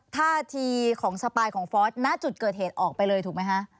ท่าทีของสปายของฟอสณจุดเกิดเหตุออกไปเลยถูกไหมคะ